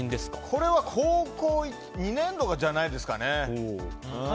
これは高校２年とかじゃないですかね。